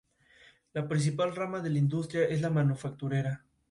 Tampoco tiene color, olor o sabor.